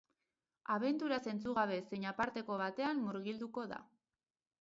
Abentura zentzugabe zein aparteko batean murgilduko da.